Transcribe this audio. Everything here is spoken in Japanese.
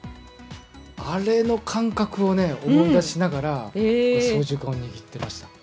あれの感覚をね、思い出しながら、操縦かんを握ってました。